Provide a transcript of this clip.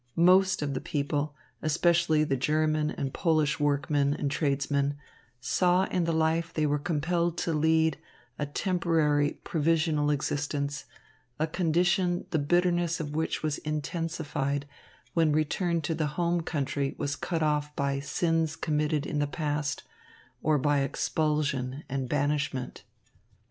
Most of the people, especially the German and Polish workmen and tradesmen, saw in the life they were compelled to lead a temporary, provisional existence, a condition the bitterness of which was intensified when return to the home country was cut off by sins committed in the past or by expulsion and banishment.